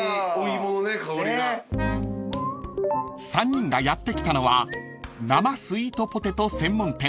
［３人がやって来たのは生スイートポテト専門店］